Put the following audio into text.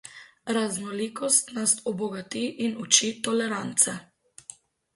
Raznolikost nas obogati in uči tolerance.